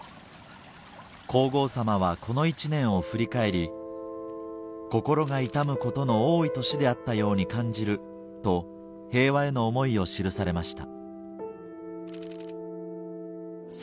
皇后さまはこの１年を振り返り「であったように感じる」と平和への思いを記されました